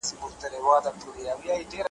د خرقې د پېرودلو عقل خام دی `